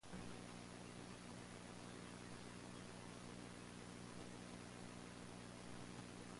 Koch was soon using the new medium to grow tuberculosis bacteria.